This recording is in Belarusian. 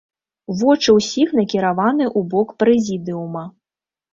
Вочы ўсіх накіраваны ў бок прэзідыума.